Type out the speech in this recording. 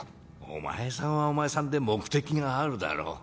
お前さんはお前さんで目的があるだろう？